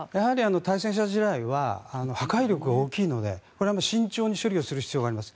対戦車地雷は破壊力が大きいので慎重に処理する必要があります。